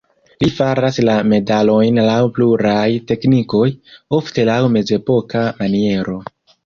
Li faras la medalojn laŭ pluraj teknikoj, ofte laŭ mezepoka maniero.